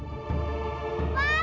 orang berada di sana